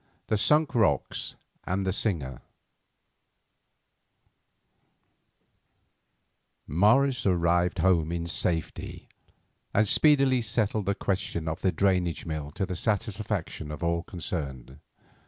THE SUNK ROCKS AND THE SINGER Morris arrived home in safety, and speedily settled the question of the drainage mill to the satisfaction of all concerned.